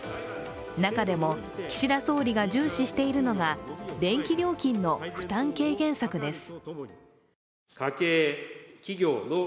中でも、岸田総理が重視しているのが、電気料金の負担軽減策です。